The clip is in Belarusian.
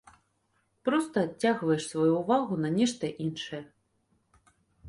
Проста адцягваеш сваю ўвагу на нешта іншае.